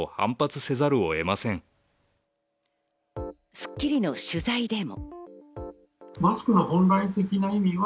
『スッキリ』の取材でも。